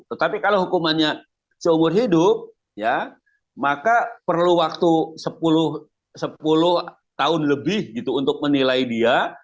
tetapi kalau hukumannya seumur hidup ya maka perlu waktu sepuluh tahun lebih gitu untuk menilai dia